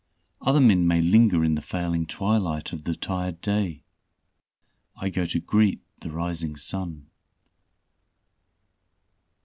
"Other men may linger in the failing twilight of the tired day. I go to greet the rising sun.